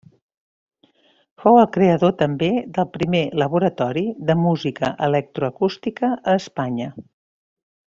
Fou el creador també del primer laboratori de música electroacústica a Espanya.